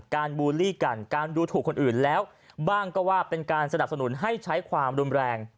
บูลลี่กันการดูถูกคนอื่นแล้วบ้างก็ว่าเป็นการสนับสนุนให้ใช้ความรุนแรง